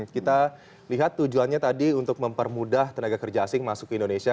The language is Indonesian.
kita lihat tujuannya tadi untuk mempermudah tenaga kerja asing masuk ke indonesia